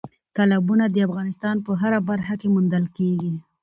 تالابونه د افغانستان په هره برخه کې موندل کېږي.